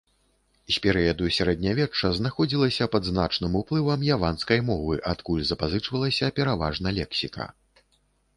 З перыяду сярэднявечча знаходзілася пад значным уплывам яванскай мовы, адкуль запазычвалася пераважна лексіка.